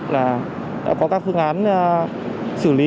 là có các phương án xử lý